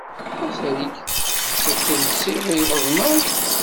Mazal-ik tettelkensid iɣeḍmen?